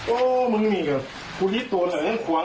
โอ้มึงนี่กลิ่นตัวหน่อยฉันขวังเรามันก็